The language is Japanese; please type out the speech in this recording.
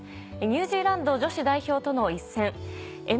ニュージーランド女子代表との一戦。